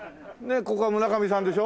ここは村上さんでしょ？